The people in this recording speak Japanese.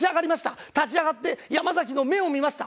立ち上がって山崎の目を見ました。